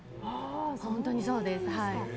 本当にそうです。